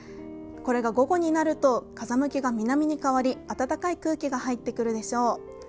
これが午後になると風向きが南に変わり、暖かい空気が入ってくるでしょう。